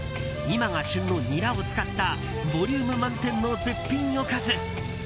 今が旬のニラを使ったボリューム満点の絶品おかず。